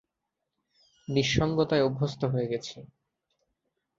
নিসঙ্গতায় অভ্যস্ত হয়ে গেছি।